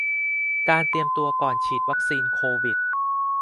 การเตรียมตัวก่อนฉีดวัคซีนโควิด